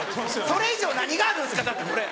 それ以上何があるんですかだってこれ。